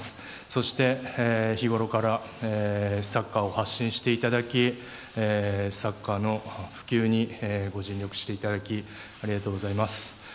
そして、日頃からサッカーを発信していただきサッカーの普及にご尽力していただきありがとうございます。